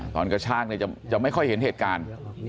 กระชากจะไม่ค่อยเห็นเหตุการณ์